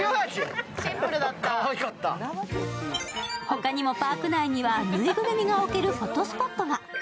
他にもパーク内にはぬいぐるみが置けるフォトスポットが。